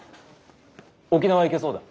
沖縄行けそうだ。